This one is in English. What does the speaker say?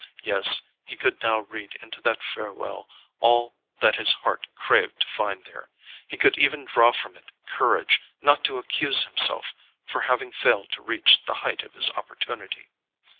Yes, he could now read into that farewell all that his heart craved to find there; he could even draw from it courage not to accuse himself for having failed to reach the height of his opportunity.